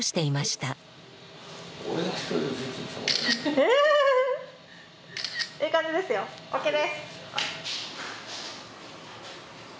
ええ感じですよＯＫです！